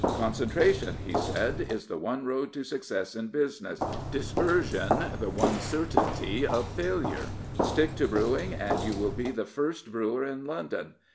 " G^ncentra tion," he said, is the one road to success in business; dispersion the one certainty of failure. Stick to brew ing and you will be the first brewer in London.